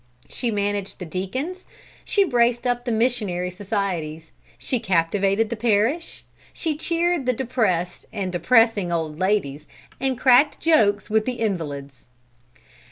She managed the deacons, she braced up the missionary societies, she captivated the parish, she cheered the depressed and depressing old ladies and cracked jokes with the invalids.